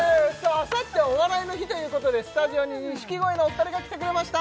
あさっては「お笑いの日」ということでスタジオに錦鯉のお二人が来てくれました